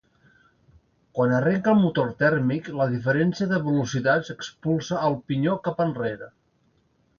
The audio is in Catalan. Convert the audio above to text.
Quan arrenca el motor tèrmic la diferència de velocitats expulsa al pinyó cap enrere.